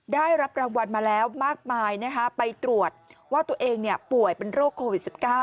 ได้รับรางวัลมาแล้วมากมายไปตรวจว่าตัวเองป่วยเป็นโรคโควิด๑๙